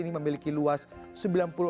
dan memiliki ruang kota yang berbeda